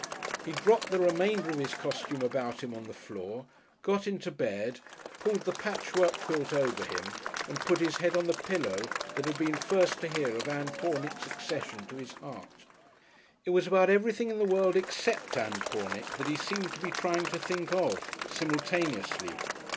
He dropped the remainder of his costume about him on the floor, got into bed, pulled the patchwork quilt over him and put his head on the pillow that had been first to hear of Ann Pornick's accession to his heart. But he did not think of Ann Pornick now. It was about everything in the world except Ann Pornick that he seemed to be trying to think of simultaneously.